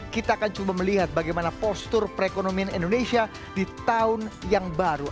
kita akan coba melihat bagaimana postur perekonomian indonesia di tahun yang baru